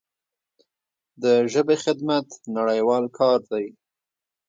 د ژبې خدمت نړیوال کار دی.